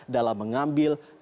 dalam mengambil keputusan